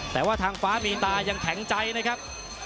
แต่ว่าทางฟ้ามีตายังแข็งใจนะครับ